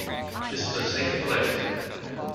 This is a safe place.